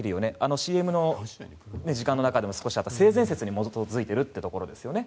ＣＭの時間の中でも少しあった性善説に基づいているというところですよね。